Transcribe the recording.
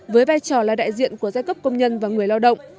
với vai trò là đại diện của giai cấp công nhân và người lao động